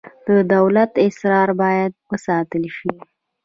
د دولت اسرار باید وساتل شي